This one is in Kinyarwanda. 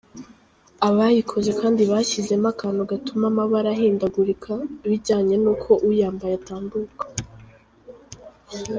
Abayikoze kandi bashyizemo akantu gatuma amabara ahindagurika, bijyanye n’uko uyambaye atambuka.